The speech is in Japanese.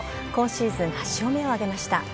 今シーズン８勝目を挙げました。